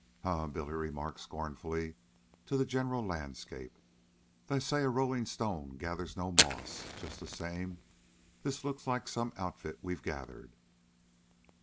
"Huh!" Billy remarked scornfully to the general landscape. "They say a rollin' stone gathers no moss. Just the same this looks like some outfit we've gathered.